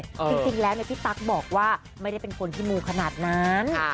จริงแล้วพี่ตั๊กบอกว่าไม่ได้เป็นคนที่มูขนาดนั้น